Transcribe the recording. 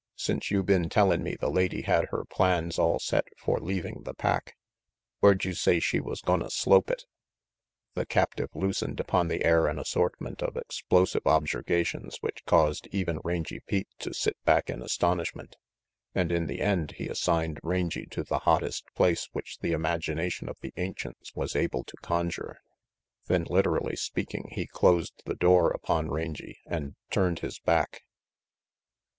"Since you been tellin' me the lady had her plans all set for leaving the pack, where' d you say she was gonna slope it?" The captive loosened upon the air an assortment of explosive objurgations which caused even Rangy Pete to sit back in astonishment, and in the end he assigned Rangy to the hottest place which the imagination of the ancients was able to conjure. Then, literally speaking, he closed the door upon Rangy and turned his back.